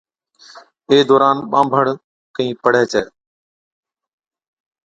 اي دوران ٻانڀڻ ڪھين پڙھي ڇَي